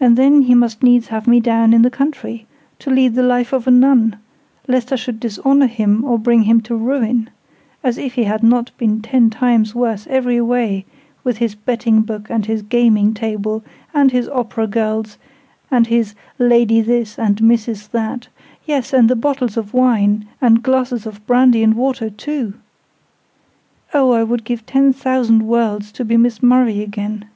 And then he must needs have me down in the country, to lead the life of a nun, lest I should dishonour him or bring him to ruin; as if he had not been ten times worse every way, with his betting book, and his gaming table, and his opera girls, and his Lady This and Mrs. That—yes, and his bottles of wine, and glasses of brandy and water too! Oh, I would give ten thousand worlds to be Miss Murray again!